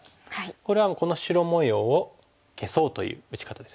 これはこの白模様を消そうという打ち方ですよね。